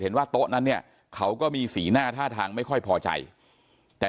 ว่าโต๊ะนั้นเนี่ยเขาก็มีสีหน้าท่าทางไม่ค่อยพอใจแต่